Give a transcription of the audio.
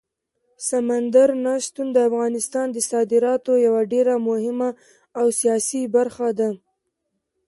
سمندر نه شتون د افغانستان د صادراتو یوه ډېره مهمه او اساسي برخه ده.